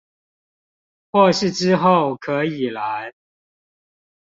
或是之後可以來